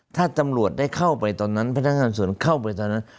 ถ้าตำรวจได้เข้าไปตอนนั้นพนักงานสวนเข้าไปตอนนั้น